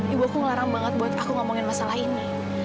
ibu aku ngelarang banget buat aku ngomongin masalah ini